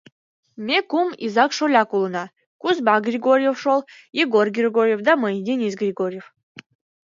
Ме кум изак-шоляк улына: Кузьма Григорьев шол, Егор Григорьев да мый — Денис Григорьев...